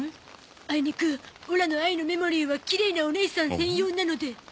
あいにくオラの愛のメモリーはきれいなおねいさん専用なので。